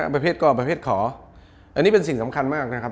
ใบเพชรก่อใบเพชรขออันนี้เป็นสิ่งสำคัญมากนะครับ